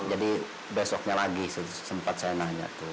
jadi besoknya lagi sempet saya nanya tuh